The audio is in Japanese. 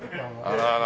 あらあら。